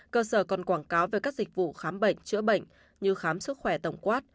cơ sở còn quảng cáo về các dịch vụ khám bệnh chữa bệnh như khám sức khỏe tổng quát